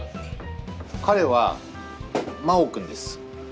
彼は真生くんです。